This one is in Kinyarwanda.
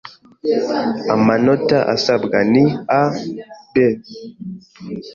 amanota asabwa, ni a-b